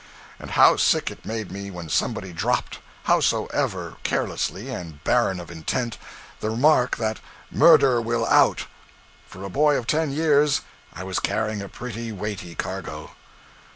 And how sick it made me when somebody dropped, howsoever carelessly and barren of intent, the remark that 'murder will out!' For a boy of ten years, I was carrying a pretty weighty cargo.